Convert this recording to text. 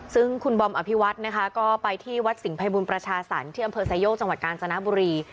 ซึ่งคุณบอมอภิวัฒน์นะคะก็ไปที่วัดสิงหภัยบุญประชาสรรค์ที่อำเภอไซโยกจังหวัดกาญจนบุรี